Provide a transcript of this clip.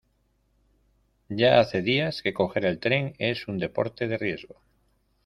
Ya hace días que coger el tren es un deporte de riesgo.